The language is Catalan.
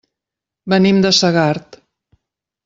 Venim de Segart.